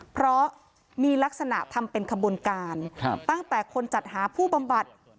เพราะมีลักษณะทำเป็นขบวนการตั้งแต่คนจัดหาผู้บำบัด